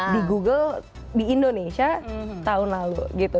di google di indonesia tahun lalu gitu